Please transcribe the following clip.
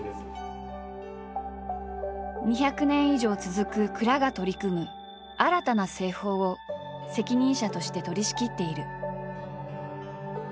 ２００年以上続く蔵が取り組む新たな製法を責任者として取りしきっている。